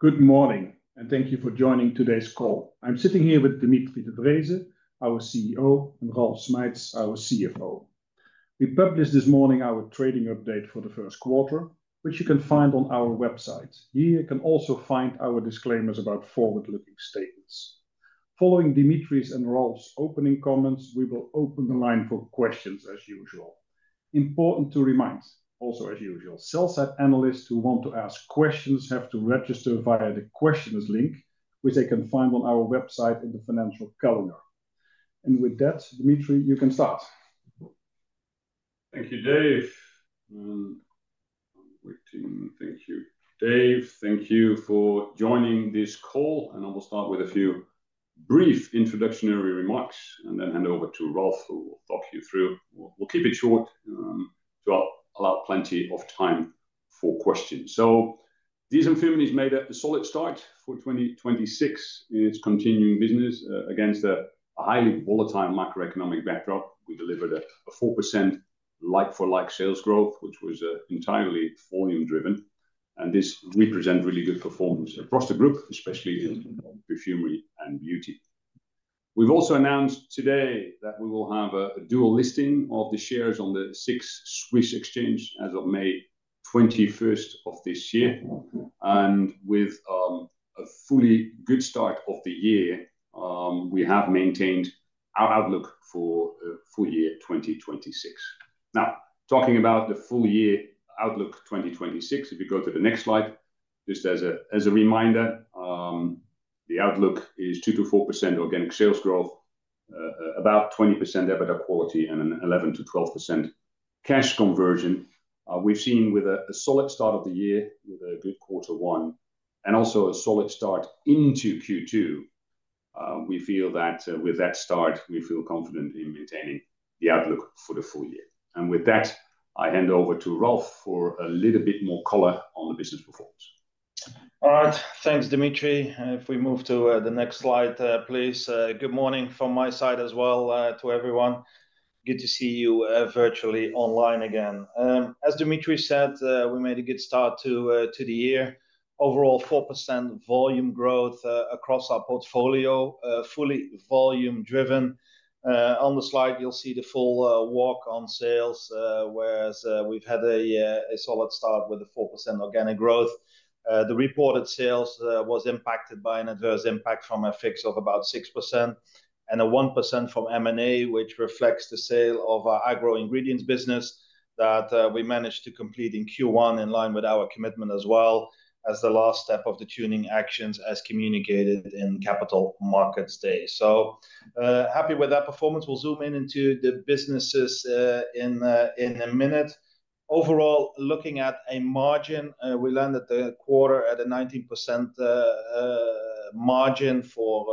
Good morning. Thank you for joining today's call. I'm sitting here with Dimitri de Vreeze, our CEO, and Ralf Schmeitz, our CFO. We published this morning our trading update for the first quarter, which you can find on our website. Here you can also find our disclaimers about forward-looking statements. Following Dimitri's and Ralf's opening comments, we will open the line for questions as usual. Important to remind, also as usual, sell-side analysts who want to ask questions have to register via the questions link, which they can find on our website in the financial calendar. With that, Dimitri, you can start. Thank you, Dave. I'm waiting. Thank you, Dave. Thank you for joining this call, and I will start with a few brief introductory remarks and then hand over to Ralf, who will talk you through. We will keep it short to allow plenty of time for questions. DSM-Firmenich has made a solid start for 2026 in its continuing business against a highly volatile macroeconomic backdrop. We delivered a 4% like-for-like sales growth, which was entirely volume driven, and this represent really good performance across the group, especially in Perfumery and Beauty. We've also announced today that we will have a dual listing of the shares on the SIX Swiss Exchange as of May 21st of this year. With a fully good start of the year, we have maintained our outlook for full year 2026. Now, talking about the full year outlook 2026, if you go to the next slide, just as a reminder, the outlook is 2%-4% organic sales growth, about 20% EBITDA quality and an 11%-12% cash conversion. We've seen with a solid start of the year with a good quarter one and also a solid start into Q2. We feel that with that start, we feel confident in maintaining the outlook for the full year. With that, I hand over to Ralf for a little bit more color on the business performance. All right. Thanks, Dimitri. If we move to the next slide, please. Good morning from my side as well to everyone. Good to see you virtually online again. As Dimitri said, we made a good start to the year. Overall, 4% volume growth across our portfolio, fully volume driven. On the slide, you'll see the full walk on sales, whereas we've had a solid start with a 4% organic growth. The reported sales was impacted by an adverse impact from FX of about 6% and 1% from M&A, which reflects the sale of our Agro Ingredients business that we managed to complete in Q1 in line with our commitment, as well as the last step of the pruning actions as communicated in Capital Markets Day. Happy with that performance. We'll zoom in into the businesses in a minute. Overall, looking at a margin, we landed the quarter at a 19% margin for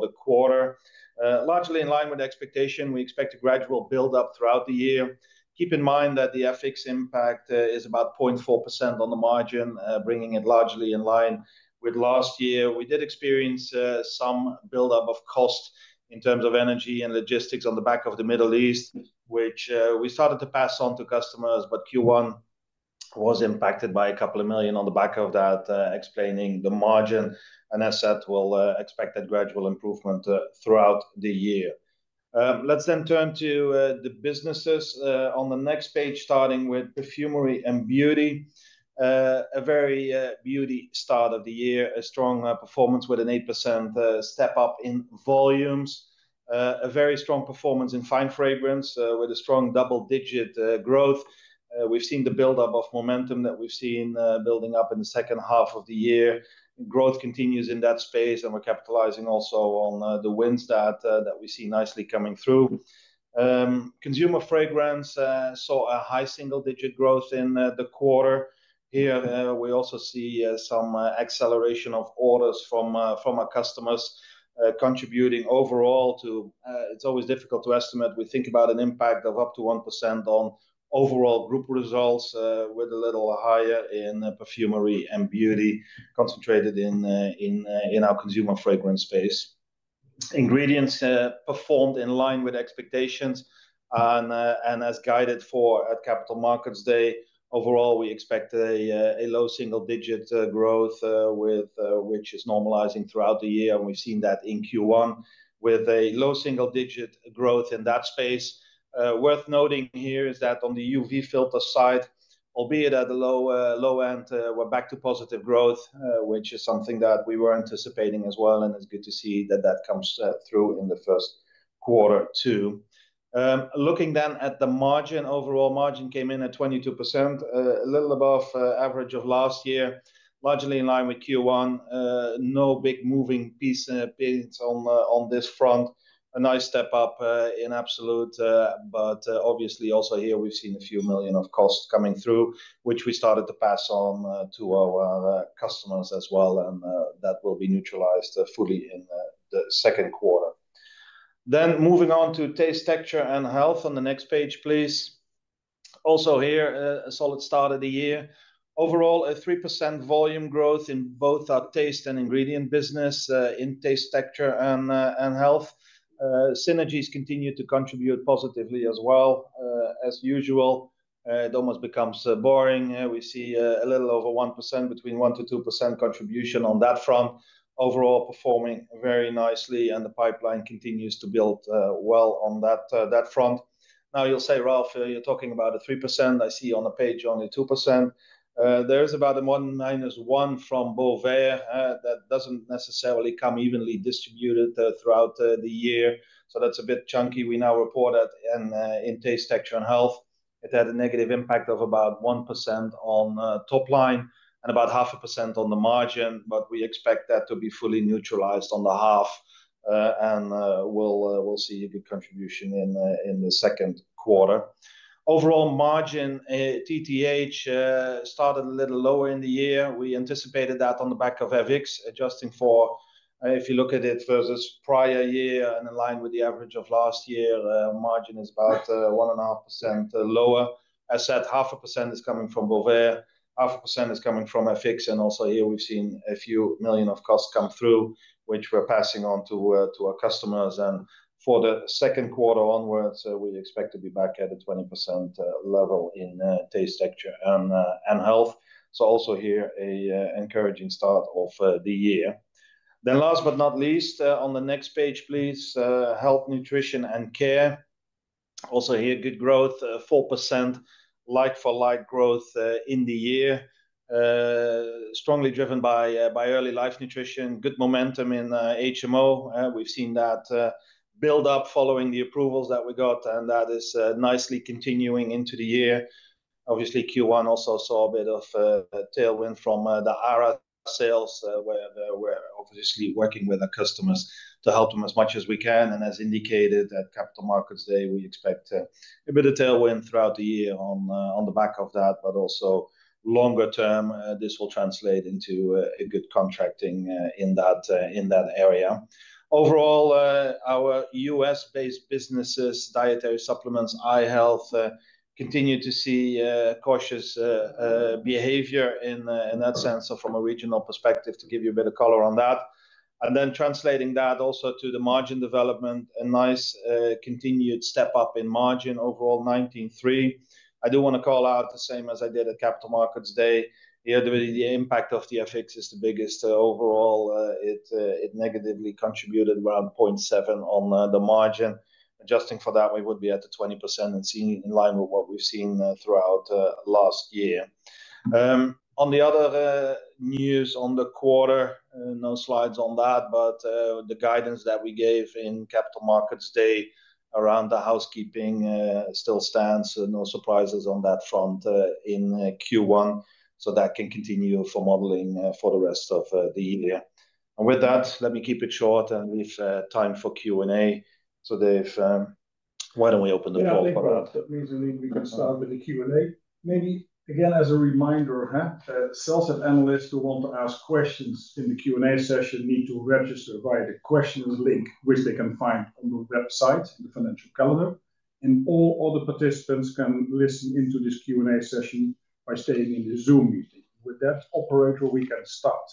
the quarter. Largely in line with expectation. We expect a gradual build up throughout the year. Keep in mind that the FX impact is about 0.4% on the margin, bringing it largely in line with last year. We did experience some build-up of cost in terms of energy and logistics on the back of the Middle East, which we started to pass on to customers, but Q1 was impacted by a couple of million on the back of that, explaining the margin. As said, we'll expect a gradual improvement throughout the year. Let's then turn to the businesses on the next page, starting with Perfumery and Beauty. A very beauty start of the year. A strong performance with an 8% step up in volumes. A very strong performance in Fine Fragrance, with a strong double-digit growth. We've seen the build-up of momentum that we've seen building up in the second half of the year. Growth continues in that space. We're capitalizing also on the wins that we see nicely coming through. Consumer Fragrance saw a high single-digit growth in the quarter. Here, we also see some acceleration of orders from our customers. It's always difficult to estimate. We think about an impact of up to 1% on overall group results, with a little higher in Perfumery and Beauty, concentrated in our Consumer Fragrance space. Ingredients performed in line with expectations and as guided for at Capital Markets Day. Overall, we expect a low single-digit growth, which is normalizing throughout the year. We've seen that in Q1 with a low single-digit growth in that space. Worth noting here is that on the UV filter side, albeit at the low, low end, we're back to positive growth, which is something that we were anticipating as well, and it's good to see that that comes through in the first quarter too. Looking at the margin, overall margin came in at 22%, a little above average of last year. Largely in line with Q1. No big moving piece points on on this front. A nice step up in absolute, but obviously also here, we've seen a few million of costs coming through, which we started to pass on to our customers as well, and that will be neutralized fully in the second quarter. Moving on to Taste, Texture and Health on the next page, please. Also here, a solid start of the year. Overall, a 3% volume growth in both our taste and ingredient business, in Taste, Texture and Health. Synergies continue to contribute positively as well. As usual, it almost becomes boring. We see a little over 1%, between 1%-2% contribution on that front. Overall, performing very nicely, and the pipeline continues to build well on that front. Now, you'll say, "Ralf, you're talking about a 3%. I see on the page only 2%." There is about a 1.91% from Bovaer that doesn't necessarily come evenly distributed throughout the year, so that's a bit chunky. We now report it in Taste, Texture and Health. It had a negative impact of about 1% on top line and about 0.5% on the margin, but we expect that to be fully neutralized on the half. We'll see a good contribution in the second quarter. Overall margin, TTH, started a little lower in the year. We anticipated that on the back of FX. Adjusting for, if you look at it versus prior year and in line with the average of last year, margin is about 1.5% lower. As said, 0.5% is coming from Bovaer. 0.5% is coming from FX, and also here we've seen a few million of costs come through, which we're passing on to our customers. For the second quarter onwards, we expect to be back at a 20% level in Taste, Texture and Health. Also here a encouraging start of the year. Last but not least, on the next page, please, Health, Nutrition and Care. Also here, good growth. 4% like-for-like growth in the year. Strongly driven by Early Life Nutrition. Good momentum in HMO. We've seen that build up following the approvals that we got, and that is nicely continuing into the year. Obviously, Q1 also saw a bit of tailwind from the ARA sales, where we're obviously working with our customers to help them as much as we can. As indicated at Capital Markets Day, we expect a bit of tailwind throughout the year on the back of that. Also longer term, this will translate into a good contracting in that area. Overall, our U.S.-based businesses, Dietary Supplements, eye health, continue to see cautious behavior in that sense, so from a regional perspective to give you a bit of color on that. Translating that also to the margin development, a nice continued step up in margin. Overall, 19.3%. I do wanna call out the same as I did at Capital Markets Day. Here, the impact of the FX is the biggest. Overall, it negatively contributed around 0.7% on the margin. Adjusting for that, we would be at the 20% and seeing in line with what we've seen throughout last year. On the other news on the quarter, no slides on that, but the guidance that we gave in Capital Markets Day around the housekeeping still stands. No surprises on that front in Q1, so that can continue for modeling for the rest of the year. With that, let me keep it short and leave time for Q&A. Dave, why don't we open the floor. Yeah, I think that means that we can start with the Q&A. Maybe, again, as a reminder, sell-side analysts who want to ask questions in the Q&A session need to register via the questions link, which they can find on the website in the financial calendar. All other participants can listen into this Q&A session by staying in the Zoom meeting. With that, operator, we can start.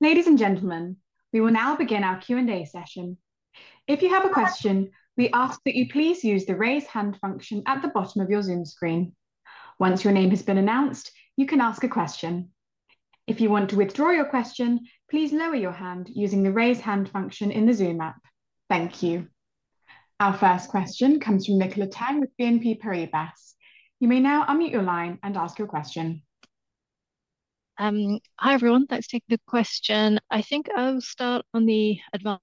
Ladies and gentlemen, we will now begin our Q&A session. If you have a question, we ask that you please use the raise hand function at the bottom of your Zoom screen. Once your name has been announced, you can ask a question. If you want to withdraw your question, please lower your hand using the raise hand function in the Zoom app. Thank you. Our first question comes from Nicola Tang with BNP Paribas. You may now unmute your line and ask your question. Hi, everyone. Thanks for taking the question. I think I'll start on the advanced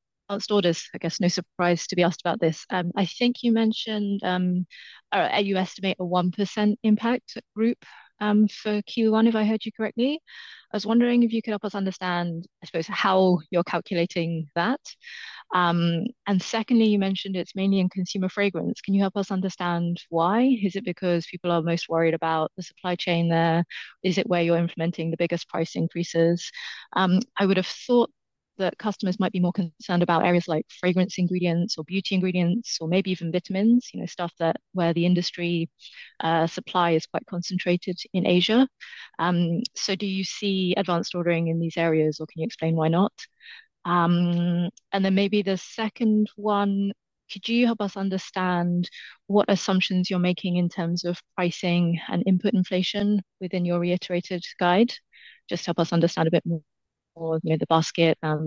orders. I guess no surprise to be asked about this. I think you mentioned, or you estimate a 1% impact group for Q1 if I heard you correctly. I was wondering if you could help us understand, I suppose, how you're calculating that. Secondly, you mentioned it's mainly in Consumer Fragrance. Can you help us understand why? Is it because people are most worried about the supply chain there? Is it where you're implementing the biggest price increases? I would have thought that customers might be more concerned about areas like fragrance ingredients or beauty ingredients or maybe even vitamins, you know, stuff that where the industry, supply is quite concentrated in Asia. Do you see advanced ordering in these areas, or can you explain why not? Maybe the second one, could you help us understand what assumptions you're making in terms of pricing and input inflation within your reiterated guide? Just help us understand a bit more, you know, the basket of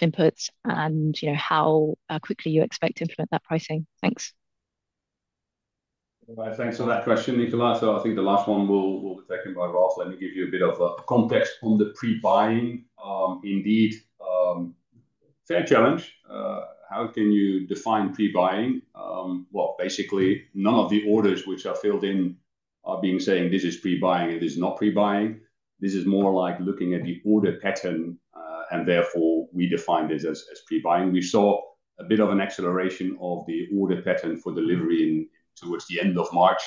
inputs and, you know, how quickly you expect to implement that pricing. Thanks. Thanks for that question, Nicola. I think the last one will be taken by Ralf. Let me give you a bit of a context on the pre-buying. Indeed, fair challenge. How can you define pre-buying? Well, basically, none of the orders which are filled in are saying this is pre-buying and this is not pre-buying. This is more like looking at the order pattern, and therefore we define this as pre-buying. We saw a bit of an acceleration of the order pattern for delivery in towards the end of March,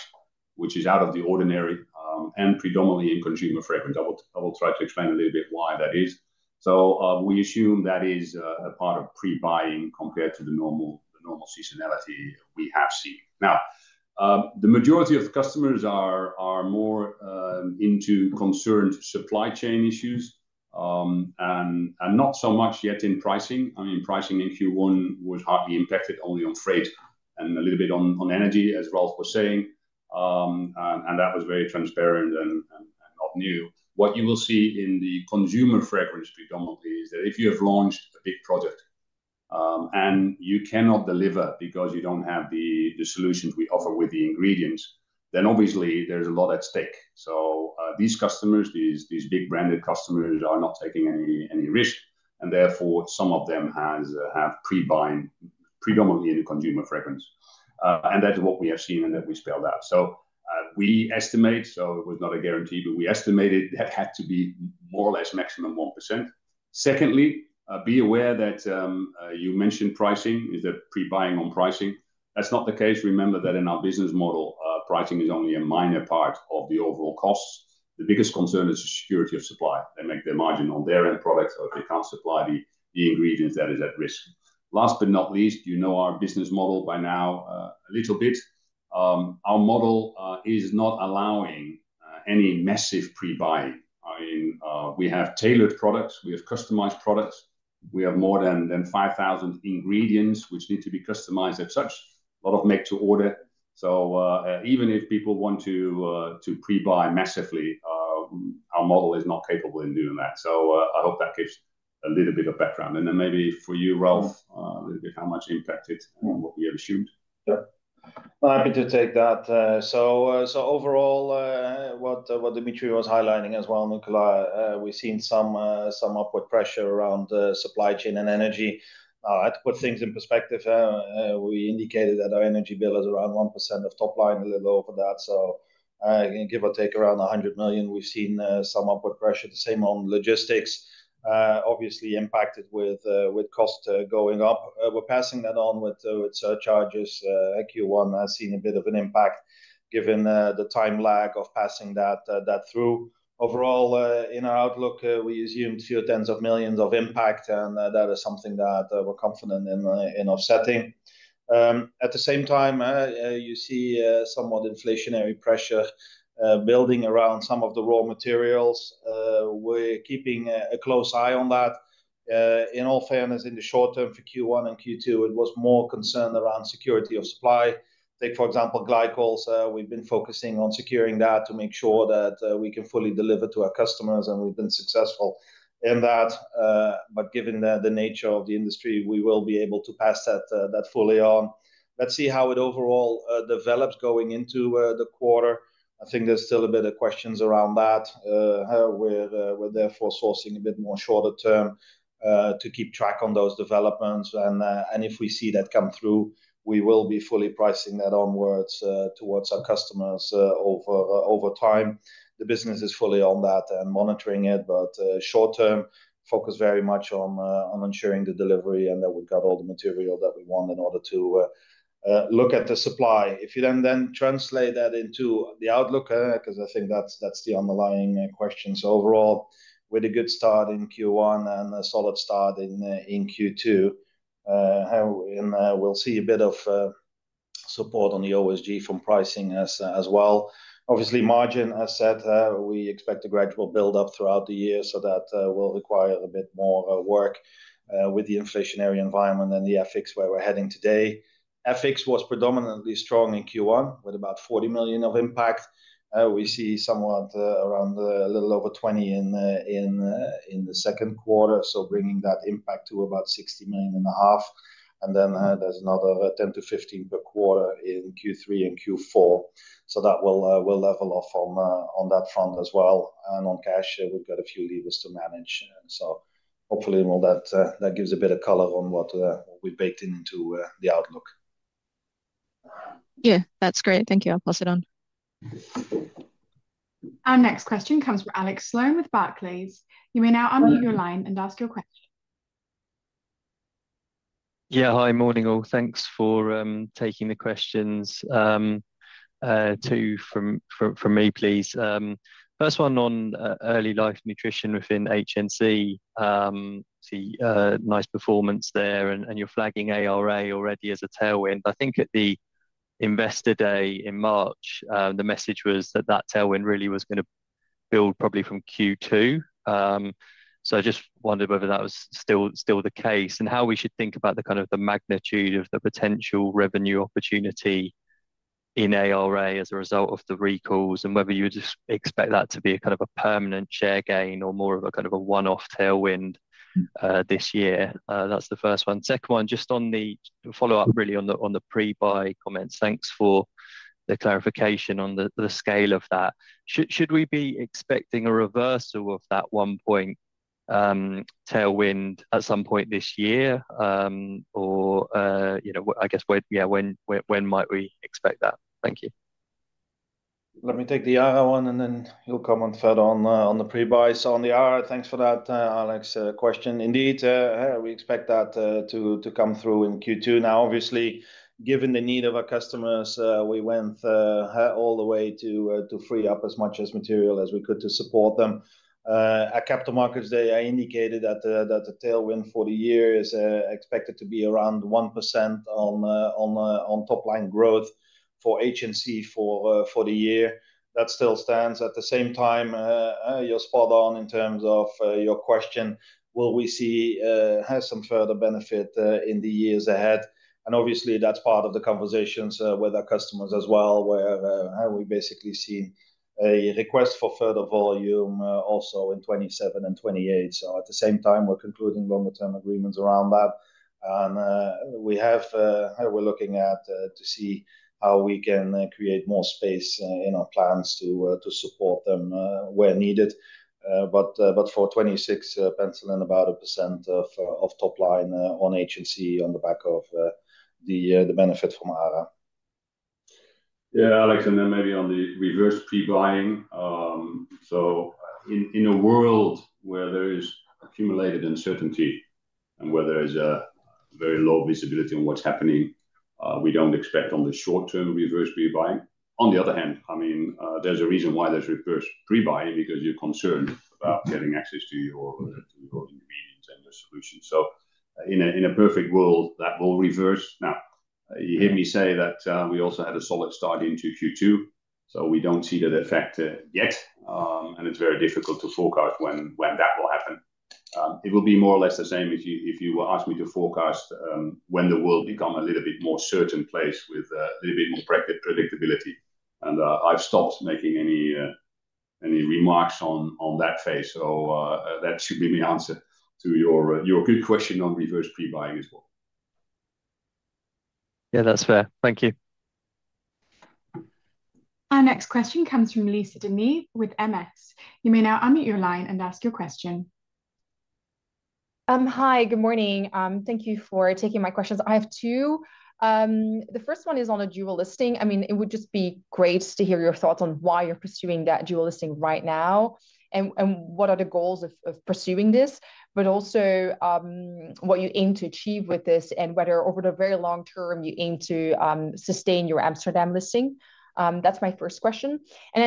which is out of the ordinary, and predominantly in Consumer Fragrance. I will try to explain a little bit why that is. We assume that is a part of pre-buying compared to the normal seasonality we have seen. The majority of the customers are more into concerned supply chain issues. Not so much yet in pricing. I mean pricing in Q1 was hardly impacted, only on freight and a little bit on energy, as Ralf was saying. That was very transparent and not new. What you will see in the Consumer Fragrance predominantly is that if you have launched a big project, and you cannot deliver because you don't have the solutions we offer with the ingredients, then obviously there's a lot at stake. These customers, these big branded customers are not taking any risk, and therefore some of them have pre-buying predominantly in the Consumer Fragrance. That's what we have seen and that we spelled out. We estimate, it was not a guarantee, but we estimated that had to be more or less maximum 1%. Secondly, be aware that you mentioned pricing. Is that pre-buying on pricing? That's not the case. Remember that in our business model, pricing is only a minor part of the overall costs. The biggest concern is the security of supply. They make their margin on their end products. If they can't supply the ingredients, that is at risk. Last but not least, you know our business model by now a little bit. Our model is not allowing any massive pre-buying. I mean, we have tailored products. We have customized products. We have more than 5,000 ingredients which need to be customized as such. A lot of make to order. Even if people want to pre-buy massively, our model is not capable in doing that. I hope that gives a little bit of background. Maybe for you, Ralf, a little how much impact it and what we have assumed. Yeah. Happy to take that. Overall, what Dimitri was highlighting as well, Nicola, we've seen some upward pressure around supply chain and energy. To put things in perspective, we indicated that our energy bill is around 1% of top line, a little over that. Give or take around 100 million, we've seen some upward pressure. The same on logistics, obviously impacted with cost going up. We're passing that on with surcharges. Q1 has seen a bit of an impact given the time lag of passing that through. Overall, in our outlook, we assumed tens of millions of impact, that is something that we're confident in offsetting. At the same time, you see somewhat inflationary pressure building around some of the raw materials. We're keeping a close eye on that. In all fairness, in the short-term for Q1 and Q2, it was more concern around security of supply. Take, for example, glycols. We've been focusing on securing that to make sure that we can fully deliver to our customers, and we've been successful in that. Given the nature of the industry, we will be able to pass that fully on. Let's see how it overall develops going into the quarter. I think there's still a bit of questions around that. We're therefore sourcing a bit more shorter term to keep track on those developments. If we see that come through, we will be fully pricing that onwards towards our customers over time. The business is fully on that and monitoring it. Short-term, focus very much on ensuring the delivery and that we've got all the material that we want in order to look at the supply. If you then translate that into the outlook, 'cause I think that's the underlying question. Overall, with a good start in Q1 and a solid start in Q2, and we'll see a bit of support on the OSG from pricing as well. Obviously, margin, as said, we expect a gradual build up throughout the year. That will require a bit more work with the inflationary environment than the FX where we are heading today. FX was predominantly strong in Q1 with about 40 million of impact. We see somewhat around a little over 20 million in the second quarter, bringing that impact to about 60.5 million. There is another 10 million-15 million per quarter in Q3 and Q4. That will level off on that front as well. On cash, we have got a few levers to manage. Hopefully all that gives a bit of color on what we baked into the outlook. Yeah. That's great. Thank you. I'll pass it on. Our next question comes from Alex Sloane with Barclays. You may now unmute your line and ask your question. Yeah. Hi. Morning, all. Thanks for taking the questions. Two from me, please. First one on Early Life Nutrition within HNC. Nice performance there and you're flagging ARA already as a tailwind. I think at the Investor Day in March, the message was that that tailwind really was gonna build probably from Q2. I just wondered whether that was still the case and how we should think about the kind of the magnitude of the potential revenue opportunity in ARA as a result of the recalls and whether you would just expect that to be a kind of a permanent share gain or more of a kind of a one-off tailwind this year. That's the first one. Second one, just on the follow-up really on the pre-buy comments. Thanks for the clarification on the scale of that. Should we be expecting a reversal of that 1 point tailwind at some point this year? You know, I guess where, when might we expect that? Thank you. Let me take the ARA one and then you'll come on further on on the pre-buy. On the ARA, thanks for that, Alex, question. Indeed, we expect that to come through in Q2. Now, obviously, given the need of our customers, we went all the way to free up as much as material as we could to support them. At Capital Markets Day, I indicated that the tailwind for the year is expected to be around 1% on top line growth for HNC for the year. That still stands. At the same time, you're spot on in terms of your question, will we see have some further benefit in the years ahead? Obviously, that's part of the conversations with our customers as well, where we basically see a request for further volume also in 2027 and 2028. At the same time, we're concluding longer term agreements around that. We're looking at to see how we can create more space in our plans to support them where needed. But for 2026, pencil in about 1% of top line on HNC on the back of the benefit from ARA. Yeah, Alex, then maybe on the reverse pre-buying. In a world where there is accumulated uncertainty and where there is a very low visibility on what's happening, we don't expect on the short-term reverse pre-buying. On the other hand, I mean, there's a reason why there's reverse pre-buying, because you're concerned about getting access to your ingredients and your solutions. In a perfect world, that will reverse. Now, you hear me say that, we also had a solid start into Q2, we don't see that effect yet. It's very difficult to forecast when that will happen. It will be more or less the same as if you ask me to forecast, when the world become a little bit more certain place with a little bit more predictability. I've stopped making any remarks on that phase. That should be the answer to your good question on reverse pre-buying as well. Yeah, that's fair. Thank you. Our next question comes from Lisa De Neve with MS. You may now unmute your line and ask your question. Hi. Good morning. Thank you for taking my questions. I have two. The first one is on the dual listing. I mean, it would just be great to hear your thoughts on why you're pursuing that dual listing right now and what are the goals of pursuing this, but also what you aim to achieve with this and whether over the very long-term you aim to sustain your Amsterdam listing. That's my first question.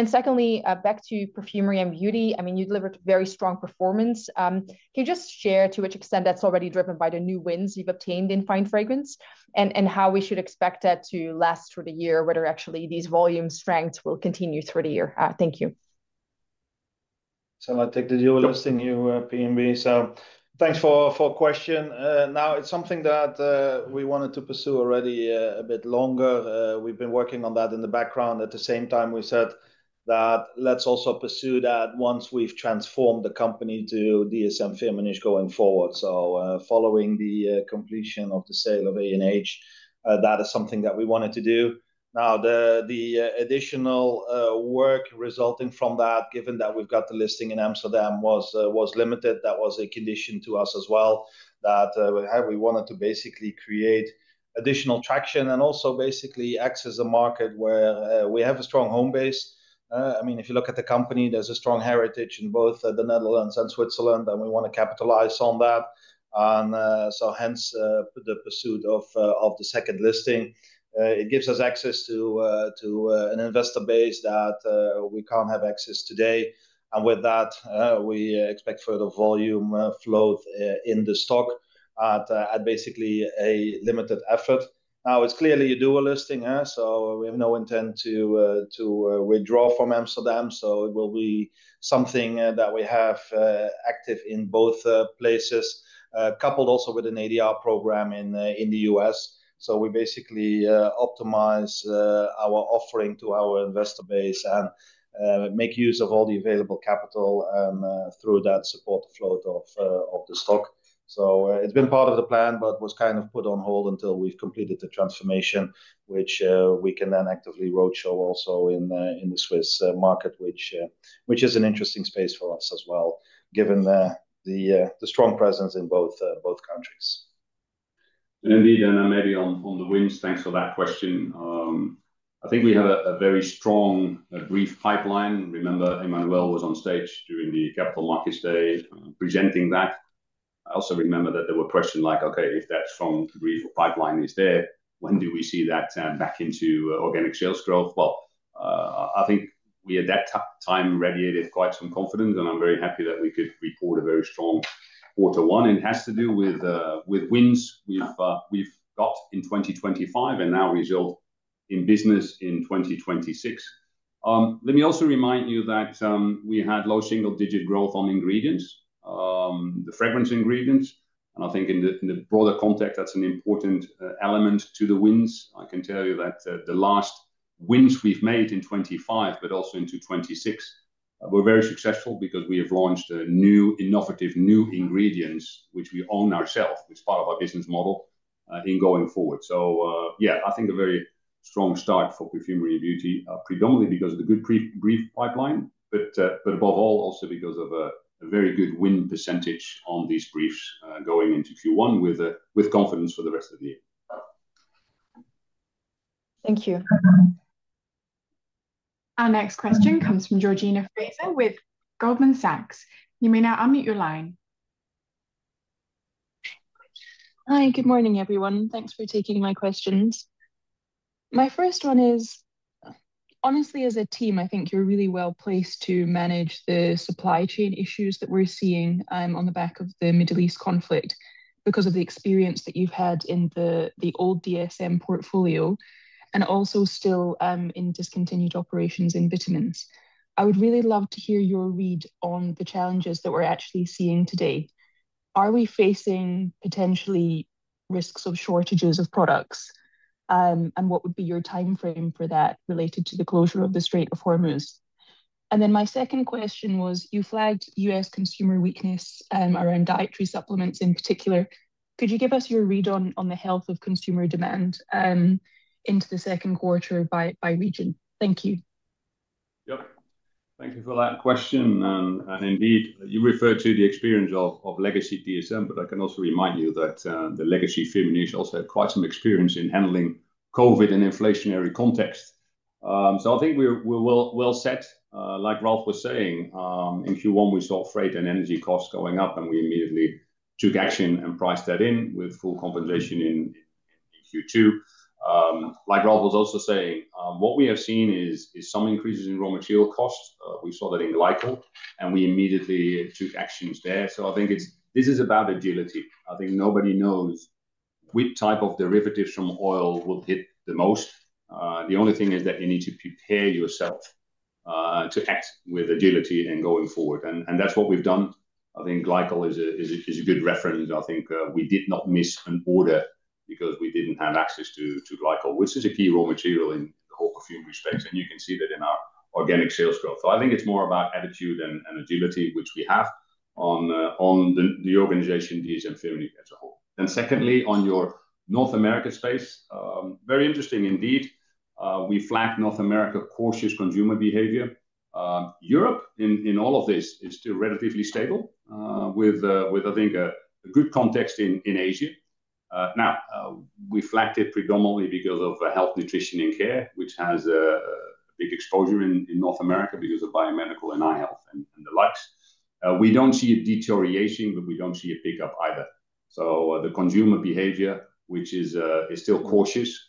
Secondly, back to Perfumery and Beauty. I mean, you delivered very strong performance. Can you just share to which extent that's already driven by the new wins you've obtained in Fine Fragrance and how we should expect that to last through the year, whether actually these volume strengths will continue through the year? Thank you. I'll take the dual listing, you, P&B. Thanks for question. Now it's something that we wanted to pursue already a bit longer. We've been working on that in the background. At the same time, we said that let's also pursue that once we've transformed the company to DSM-Firmenich going forward. Following the completion of the sale of ANH, that is something that we wanted to do. Now, the additional work resulting from that, given that we've got the listing in Amsterdam was limited. That was a condition to us as well, that we wanted to basically create additional traction and also basically access a market where we have a strong home base. I mean, if you look at the company, there's a strong heritage in both the Netherlands and Switzerland. We want to capitalize on that. Hence, the pursuit of the second listing. It gives us access to an investor base that we can't have access today. With that, we expect further volume flow in the stock at basically a limited effort. It's clearly a dual listing. We have no intent to withdraw from Amsterdam. It will be something that we have active in both places, coupled also with an ADR program in the U.S. We basically optimize our offering to our investor base and make use of all the available capital and through that support the flow of the stock. It's been part of the plan, but was kind of put on hold until we've completed the transformation, which we can then actively roadshow also in the Swiss market, which is an interesting space for us as well, given the strong presence in both countries. Indeed, maybe on the wins, thanks for that question. I think we have a very strong brief pipeline. Remember, Emmanuel was on stage during the Capital Markets Day presenting that. I also remember that there were questions like, "Okay, if that strong brief pipeline is there, when do we see that back into organic sales growth?" I think we at that time radiated quite some confidence, and I'm very happy that we could report a very strong quarter one. It has to do with wins we've got in 2025 and now result in business in 2026. Let me also remind you that we had low single-digit growth on ingredients, the fragrance ingredients, and I think in the broader context, that's an important element to the wins. I can tell you that the last wins we've made in 2025, but also into 2026, were very successful because we have launched a new, innovative, new ingredients which we own ourself. It's part of our business model in going forward. Yeah, I think a very strong start for Perfumery and Beauty, predominantly because of the good pre-brief pipeline, but above all, also because of a very good win percentage on these briefs, going into Q1 with confidence for the rest of the year. Thank you. Our next question comes from Georgina Fraser with Goldman Sachs. You may now unmute your line. Hi. Good morning, everyone. Thanks for taking my questions. My first one is, honestly, as a team, I think you're really well placed to manage the supply chain issues that we're seeing on the back of the Middle East conflict because of the experience that you've had in the old DSM portfolio and also still in discontinued operations in vitamins. I would really love to hear your read on the challenges that we're actually seeing today. Are we facing potentially risks of shortages of products? What would be your timeframe for that related to the closure of the Strait of Hormuz? My second question was, you flagged U.S. consumer weakness around Dietary Supplements in particular. Could you give us your read on the health of consumer demand into the second quarter by region? Thank you. Thank you for that question. Indeed, you referred to the experience of legacy DSM, but I can also remind you that the legacy Firmenich also had quite some experience in handling COVID and inflationary context. I think we're well set. Like Ralf was saying, in Q1 we saw freight and energy costs going up, we immediately took action and priced that in with full compensation in Q2. Like Ralf was also saying, what we have seen is some increases in raw material costs. We saw that in glycol, we immediately took actions there. This is about agility. I think nobody knows which type of derivatives from oil will hit the most. The only thing is that you need to prepare yourself to act with agility in going forward. That's what we've done. I think glycol is a good reference. I think we did not miss an order because we didn't have access to glycol, which is a key raw material in the whole perfume space, and you can see that in our organic sales growth. I think it's more about attitude and agility, which we have on the organization DSM-Firmenich as a whole. Secondly, on your North America space, very interesting indeed. We flagged North America cautious consumer behavior. Europe in all of this is still relatively stable with, I think, a good context in Asia. Now, we flagged it predominantly because of Health, Nutrition and Care, which has a big exposure in North America because of biomedical and eye health and the likes. We don't see a deterioration, we don't see a pickup either. The consumer behavior, which is still cautious.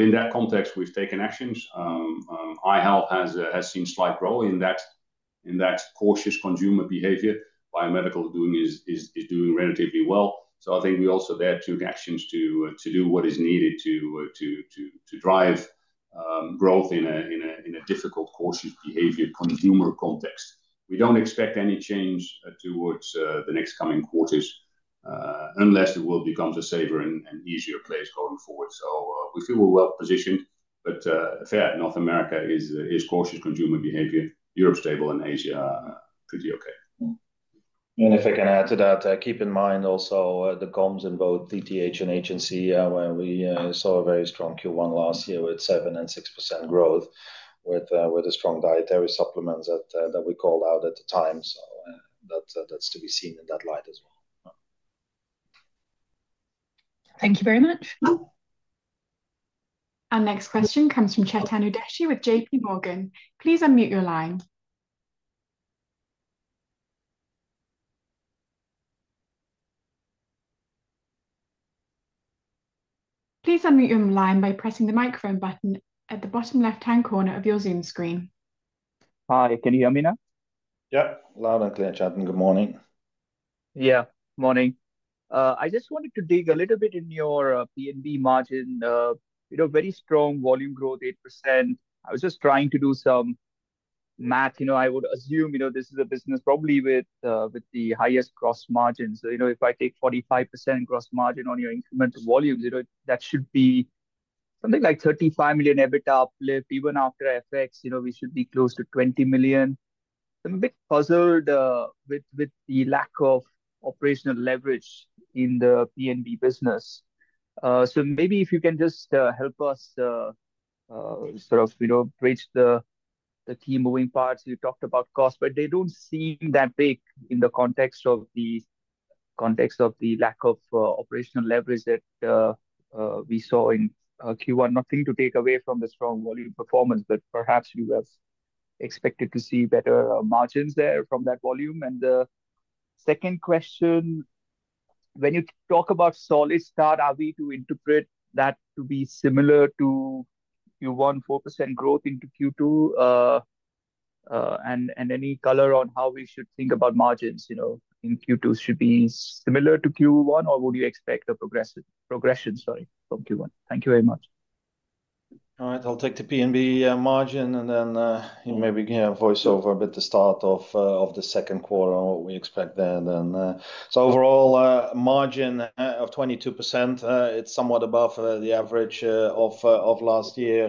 In that context, we've taken actions. Eye health has seen slight growth in that cautious consumer behavior. Biomedical is doing relatively well. I think we also there took actions to do what is needed to drive growth in a difficult, cautious behavior consumer context. We don't expect any change towards the next coming quarters unless the world becomes a safer and easier place going forward. We feel we're well-positioned. Fair, North America is cautious consumer behavior. Europe stable and Asia pretty okay. If I can add to that, keep in mind also, the comps in both TTH and HNC, where we saw a very strong Q1 last year with 7% and 6% growth with the strong Dietary Supplements that we called out at the time. That's to be seen in that light as well. Thank you very much. Our next question comes from Chetan Udeshi with JPMorgan. Please unmute your line. Please unmute your line by pressing the microphone button at the bottom left hand corner of your Zoom screen. Hi, can you hear me now? Yep. Loud and clear, Chetan. Good morning. Morning. I just wanted to dig a little bit in your P&B margin. you know, very strong volume growth, 8%. I was just trying to do some math. You know, I would assume, you know, this is a business probably with the highest gross margins. You know, if I take 45% gross margin on your incremental volumes, you know, that should be something like 35 million EBITA uplift. Even after FX, you know, we should be close to 20 million. I'm a bit puzzled with the lack of operational leverage in the P&B business. So maybe if you can just help us sort of, you know, bridge the key moving parts. You talked about cost, but they don't seem that big in the context of the lack of operational leverage that we saw in Q1. Nothing to take away from the strong volume performance, but perhaps you were expected to see better margins there from that volume. The second question, when you talk about solid start, are we to interpret that to be similar to your 1%-4% growth into Q2? Any color on how we should think about margins, you know, in Q2 should be similar to Q1, or would you expect a progression, sorry, from Q1? Thank you very much. All right, I'll take the P&B margin, and then you maybe can voiceover a bit the start of the second quarter and what we expect there then. Overall, margin of 22%, it's somewhat above the average of last year,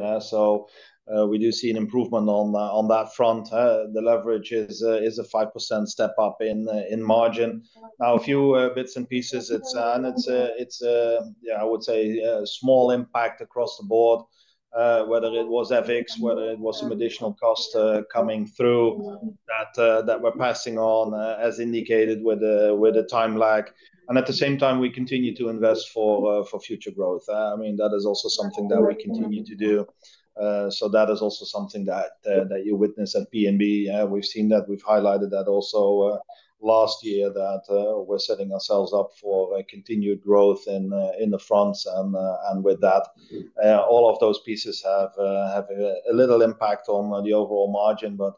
we do see an improvement on that front. The leverage is a 5% step up in margin. Now a few bits and pieces, I would say, small impact across the board, whether it was FX, whether it was some additional cost coming through that we're passing on, as indicated with the time lag. At the same time, we continue to invest for future growth. I mean, that is also something that we continue to do. So that is also something that you witness at P&B. We've seen that, we've highlighted that also last year that we're setting ourselves up for continued growth in the fronts and with that. All of those pieces have a little impact on the overall margin, but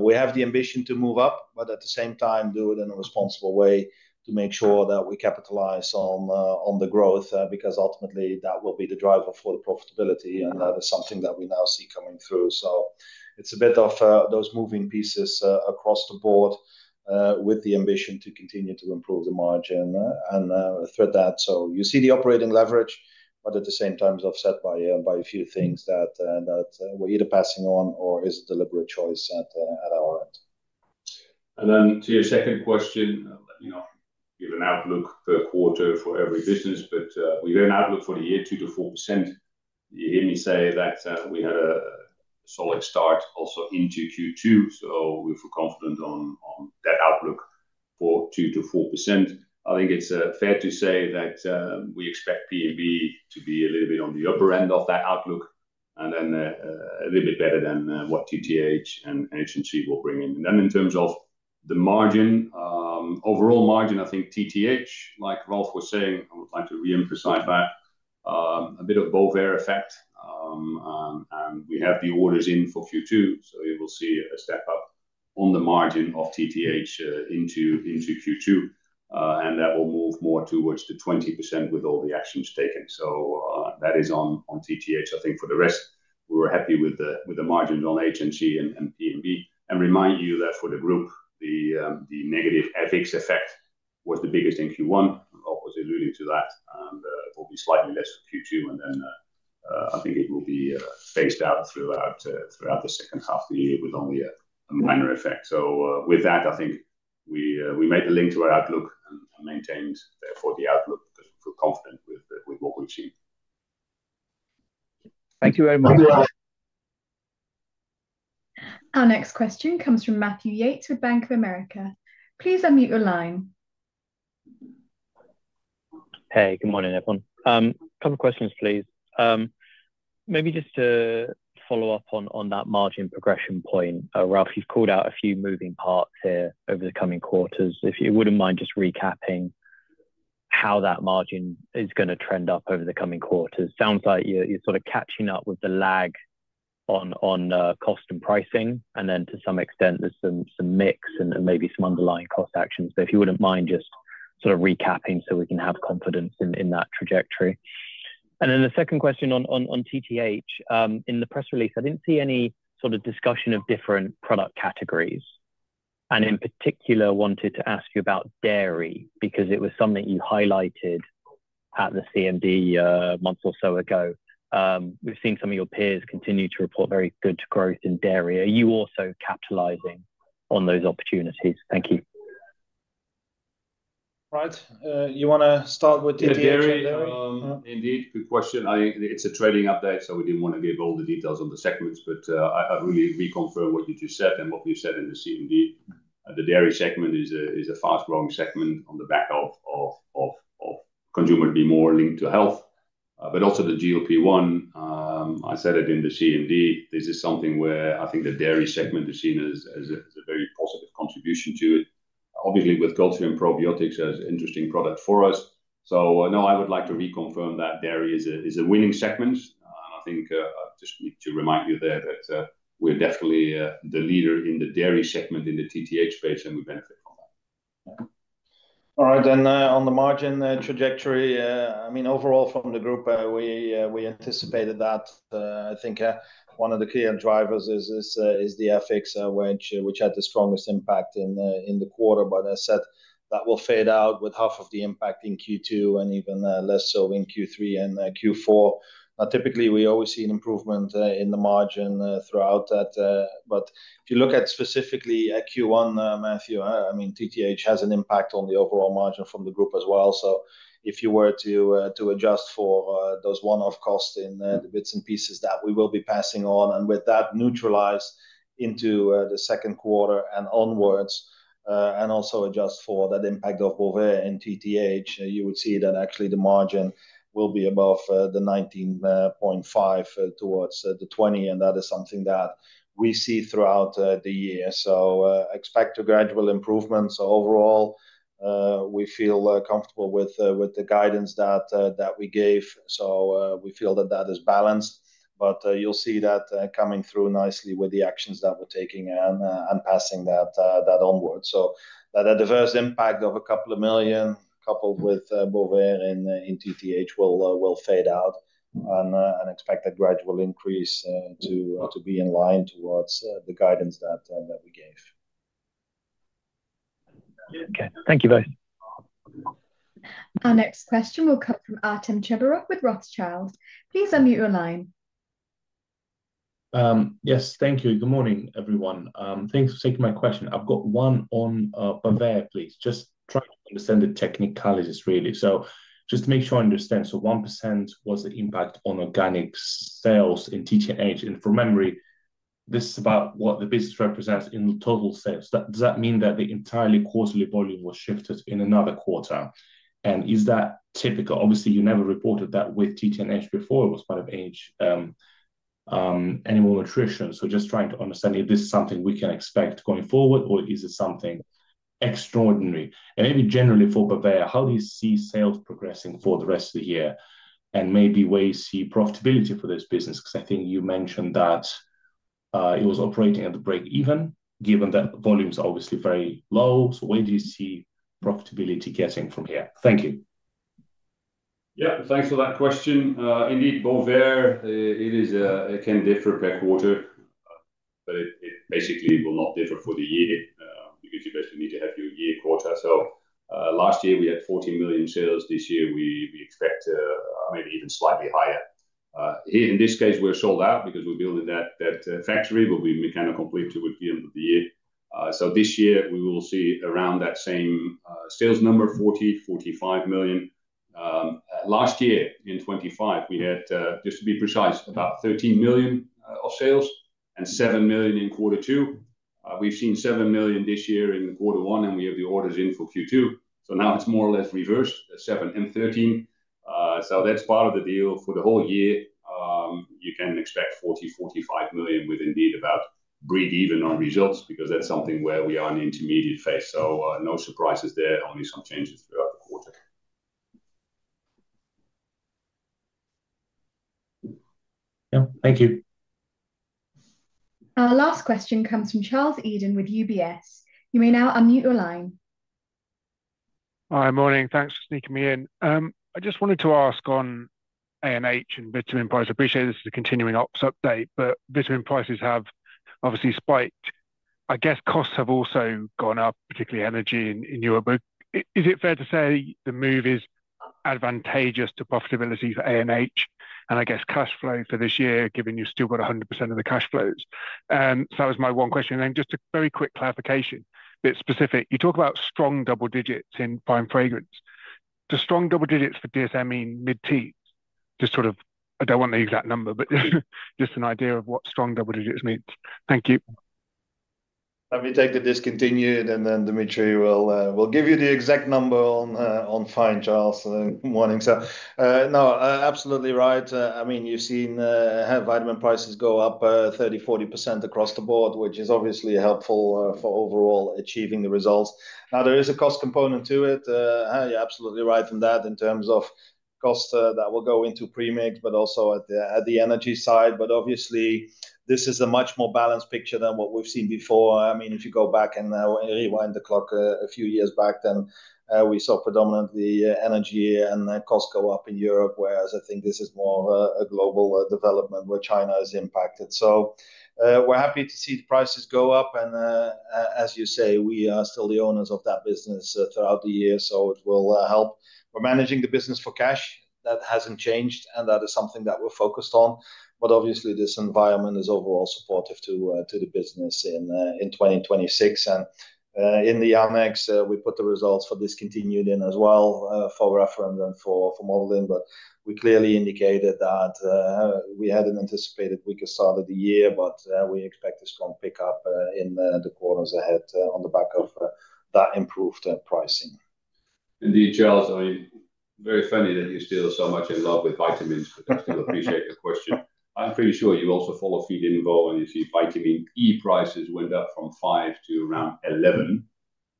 we have the ambition to move up, but at the same time, do it in a responsible way to make sure that we capitalize on the growth, because ultimately that will be the driver for the profitability, and that is something that we now see coming through. It's a bit of those moving pieces across the board with the ambition to continue to improve the margin and thread that. You see the operating leverage, but at the same time is offset by by a few things that that we're either passing on or is a deliberate choice at at our end. Then to your second question, let me not give an outlook per quarter for every business, but we gave an outlook for the year, 2%-4%. You hear me say that we had a solid start also into Q2, so we feel confident on that outlook for 2%-4%. I think it's fair to say that we expect P&B to be a little bit on the upper end of that outlook and then a little bit better than what TTH and HNC will bring in. Then in terms of the margin, overall margin, I think TTH, like Ralf was saying, I would like to reemphasize that a bit of Bovaer effect. We have the orders in for Q2, so you will see a step up on the margin of TTH into Q2. That will move more towards the 20% with all the actions taken. That is on TTH. I think for the rest, we were happy with the margins on HNC and P&B. Remind you that for the group, the negative FX effect was the biggest in Q1. Ralf was alluding to that, and it will be slightly less for Q2, and then I think it will be phased out throughout the second half of the year with only a minor effect. With that, I think we made the link to our outlook and maintained therefore the outlook because we feel confident with what we've seen. Thank you very much. Our next question comes from Matthew Yates with Bank of America. Please unmute your line. Hey, good morning, everyone. Couple of questions, please. Maybe just to follow up on that margin progression point. Ralf, you've called out a few moving parts here over the coming quarters. If you wouldn't mind just recapping how that margin is gonna trend up over the coming quarters. Sounds like you're sort of catching up with the lag on cost and pricing, and then to some extent there's some mix and maybe some underlying cost actions. If you wouldn't mind just sort of recapping so we can have confidence in that trajectory. Then the second question on TTH. In the press release, I didn't see any sort of discussion of different product categories. In particular wanted to ask you about dairy because it was something you highlighted at the CMD a month or so ago. We've seen some of your peers continue to report very good growth in dairy. Are you also capitalizing on those opportunities? Thank you. Right. You wanna start with TTH and dairy? Yeah, dairy, indeed. Good question. It's a trading update, so we didn't wanna give all the details on the segments, I really reconfirm what you just said and what we've said in the CMD. The dairy segment is a fast-growing segment on the back of consumer be more linked to health. Also the GLP-1, I said it in the CMD, this is something where I think the dairy segment is seen as a very positive contribution to it. Obviously, with culture and probiotics as interesting product for us. No, I would like to reconfirm that dairy is a winning segment. I think I just need to remind you there that we're definitely the leader in the dairy segment in the TTH space, and we benefit from that. All right. On the margin trajectory, I mean, overall from the group, we anticipated that. I think, one of the key drivers is the FX, which had the strongest impact in the quarter. As said, that will fade out with half of the impact in Q2 and even less so in Q3 and Q4. Typically, we always see an improvement in the margin throughout that. If you look at specifically at Q1, Matthew, I mean, TTH has an impact on the overall margin from the group as well. If you were to adjust for those one-off costs in the bits and pieces that we will be passing on, and with that neutralized into the second quarter and onwards, and also adjust for that impact of Bovaer and TTH, you would see that actually the margin will be above the 19.5% towards the 20%, and that is something that we see throughout the year. Expect a gradual improvement. Overall, we feel comfortable with the guidance that we gave. We feel that that is balanced. You'll see that coming through nicely with the actions that we're taking and passing that onward. That adverse impact of a couple of million coupled with Bovaer and TTH will fade out and expect a gradual increase to be in line towards the guidance that we gave. Okay. Thank you both. Our next question will come from Artem Chubarov with Rothschild. Please unmute your line. Yes. Thank you. Good morning, everyone. Thanks for taking my question. I've got one on Bovaer, please. Just trying to understand the technicalities really. Just to make sure I understand. 1% was the impact on organic sales in TTH. From memory, this is about what the business represents in the total sales. Does that mean that the entirely quarterly volume was shifted in another quarter? Is that typical? Obviously, you never reported that with TTH before it was part of Animal Nutrition. Just trying to understand if this is something we can expect going forward, or is it something extraordinary? Maybe generally for Bovaer, how do you see sales progressing for the rest of the year, and maybe where you see profitability for this business? I think you mentioned that it was operating at a break even, given that volume's obviously very low. Where do you see profitability getting from here? Thank you. Thanks for that question. Indeed, Bovaer, it is, it can differ per quarter, but it basically will not differ for the year, because you basically need to have your year quarter. Last year we had 14 million sales. This year we expect maybe even slightly higher. Here in this case, we're sold out because we're building that factory will be mechanical complete towards the end of the year. This year we will see around that same sales number, 40 million-45 million. Last year in 2025, we had, just to be precise, about 13 million of sales and 7 million in quarter two. We've seen 7 million this year in quarter one, and we have the orders in for Q2. Now it's more or less reversed, 7 million and 13 million. That's part of the deal. For the whole year, you can expect 40 million-45 million with indeed about breakeven on results because that's something where we are in the intermediate phase. No surprises there, only some changes throughout the quarter. Yeah. Thank you. Our last question comes from Charles Eden with UBS. You may now unmute your line. Hi. Morning. Thanks for sneaking me in. I just wanted to ask on ANH and vitamin prices. I appreciate this is a continuing ops update, but vitamin prices have obviously spiked. I guess costs have also gone up, particularly energy in Europe. Is it fair to say the move is advantageous to profitability for ANH, and I guess cash flow for this year, given you've still got 100% of the cash flows? That was my one question. Then just a very quick clarification, bit specific. You talk about strong double digits in Fine Fragrance. Does strong double digits for DSM mean mid-teens? Just I don't want the exact number, but just an idea of what strong double digits means. Thank you. Let me take the discontinued, then Dimitri will give you the exact number on Fine Fragrance, Charles. Morning, sir. Absolutely right. I mean, you've seen how vitamin prices go up 30%, 40% across the board, which is obviously helpful for overall achieving the results. There is a cost component to it. You're absolutely right on that in terms of costs that will go into premix, but also at the energy side. Obviously, this is a much more balanced picture than what we've seen before. I mean, if you go back and rewind the clock a few years back then, we saw predominantly energy and costs go up in Europe, whereas I think this is more of a global development where China is impacted. We're happy to see the prices go up, and as you say, we are still the owners of that business throughout the year, so it will help. We're managing the business for cash. That hasn't changed, and that is something that we're focused on. Obviously this environment is overall supportive to the business in 2026. In the annex, we put the results for discontinued in as well for reference for modeling. We clearly indicated that we had an anticipated weaker start of the year, but we expect a strong pickup in the quarters ahead on the back of that improved pricing. Indeed, Charles. I mean, very funny that you're still so much in love with vitamins, but I still appreciate your question. I'm pretty sure you also follow Feedinfo, and you see vitamin E prices went up from 5 to around 11.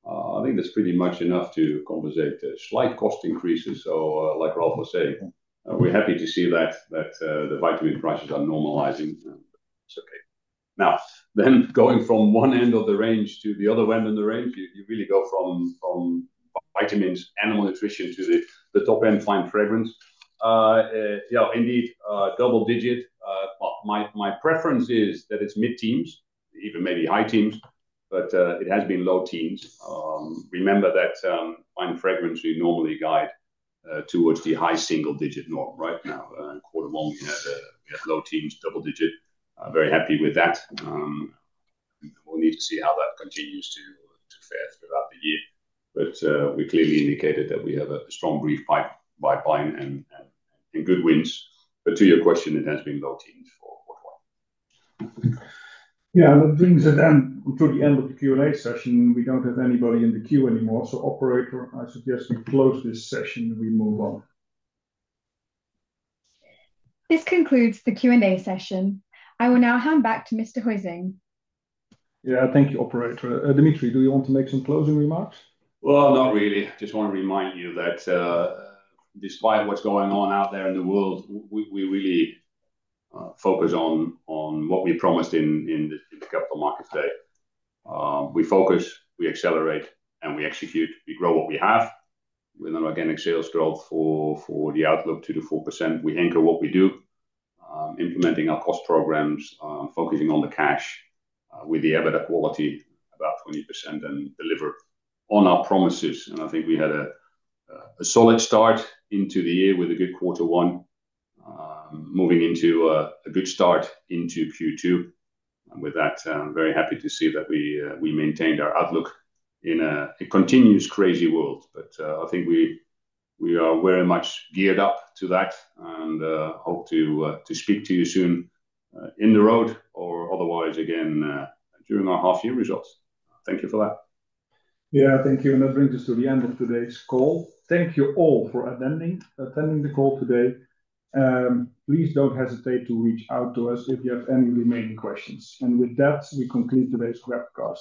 I think that's pretty much enough to compensate slight cost increases. Like Ralf was saying. We're happy to see that the vitamin prices are normalizing. It's okay. Going from one end of the range to the other end of the range, you really go from vitamins, animal nutrition to the top end, Fine Fragrance. Indeed double-digit. My preference is that it's mid-teens, even maybe high teens, it has been low teens. Remember that Fine Fragrance we normally guide towards the high single-digit norm right now. Quarter one, we had low teens, double-digit. I'm very happy with that. We'll need to see how that continues to fare throughout the year. We clearly indicated that we have a strong brief pipeline and good wins. To your question, it has been low teens for quarter one. Yeah. That brings it then to the end of the Q&A session. We don't have anybody in the queue anymore. Operator, I suggest we close this session and we move on. This concludes the Q&A session. I will now hand back to Mr. Huizing. Yeah. Thank you, operator. Dimitri, do you want to make some closing remarks? Well, not really. Just want to remind you that, despite what's going on out there in the world, we really focus on what we promised in the Capital Markets Day. We focus, we accelerate, and we execute. We grow what we have with an organic sales growth for the outlook to the 4%. We anchor what we do, implementing our cost programs, focusing on the cash, with the EBITDA quality about 20% and deliver on our promises. I think we had a solid start into the year with a good quarter one, moving into a good start into Q2. With that, I'm very happy to see that we maintained our outlook in a continuous crazy world. I think we are very much geared up to that and hope to speak to you soon in the road or otherwise again during our half year results. Thank you for that. Yeah. Thank you. That brings us to the end of today's call. Thank you all for attending the call today. Please don't hesitate to reach out to us if you have any remaining questions. With that, we conclude today's webcast.